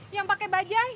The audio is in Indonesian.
yang pake bajaj